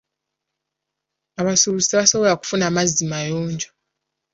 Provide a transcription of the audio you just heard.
Abasuubuzi tebasobola kufuna mazzi mayonjo.